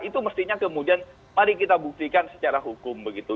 itu mestinya kemudian mari kita buktikan secara hukum begitu